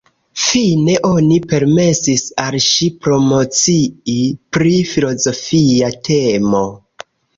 Fine oni permesis al ŝi promocii pri filozofia temo.